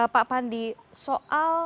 pak pandi soal